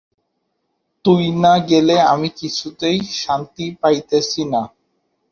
তুই না গেলে আমি কিছুতেই শান্তি পাইতেছি না।